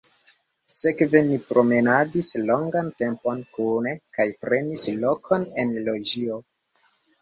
Sekve ni promenadis longan tempon kune kaj prenis lokon en loĝio.